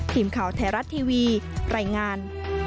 ครีมข่าวแถรรัสทีวีรายงาน